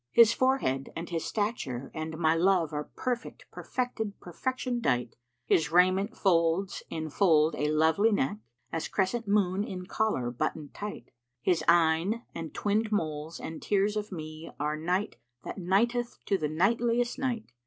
His forehead and his stature and my love * Are perfect perfected perfection dight; His raiment folds enfold a lovely neck * As crescent moon in collar buttoned tight: His eyne and twinnčd moles and tears of me * Are night that nighteth to the nightliest night.